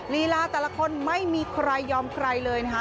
ลีลาแต่ละคนไม่มีใครยอมใครเลยนะคะ